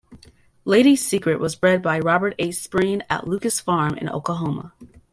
Lady's Secret was bred by Robert H. Spreen at Lucas Farm in Oklahoma.